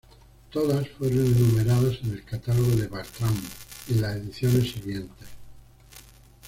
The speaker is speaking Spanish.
Todas fueron enumeradas en el catálogo de Bartram y en las ediciones siguientes.